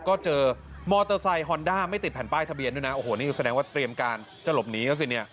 ก็เจอมอเตอร์ไซค์ฮอนด้าไม่ติดแผ่นป้ายทะเบียนด้วยนะโอ้โหนี่คือแสดงว่าเตรียมการจะหลบหนีเขาสิเนี่ย